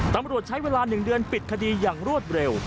ตำรวจใช้เวลา๑เดือนปิดคดีอย่างรวดเร็ว